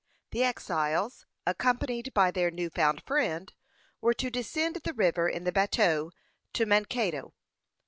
The exiles, accompanied by their new found friend, were to descend the river in the bateau to Mankato.